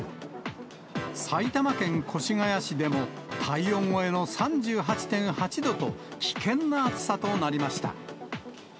埼玉県越谷市でも、体温超えの３８．８度と、危険な暑さとなりました。